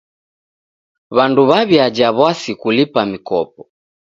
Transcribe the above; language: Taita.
W'andu w'aw'iaja w'asi kulipa mikopo.